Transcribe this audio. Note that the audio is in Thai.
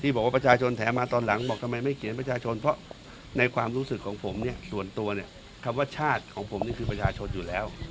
บอกว่าประชาชนแถมมาตอนหลังบอกทำไมไม่เขียนประชาชนเพราะในความรู้สึกของผมเนี่ยส่วนตัวเนี่ยคำว่าชาติของผมนี่คือประชาชนอยู่แล้ว